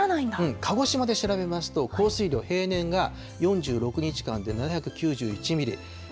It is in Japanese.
鹿児島で調べますと、降水量、平年が４６日間で７９１ミリ。